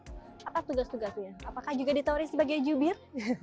apa tugas tugasnya apakah juga di tauris sebagai jubir